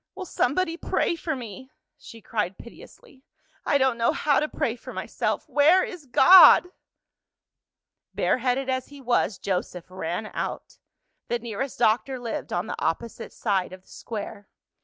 "Will somebody pray for me?" she cried piteously. "I don't know how to pray for myself. Where is God?" Bareheaded as he was, Joseph ran out. The nearest doctor lived on the opposite side of the Square.